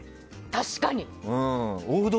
確かに。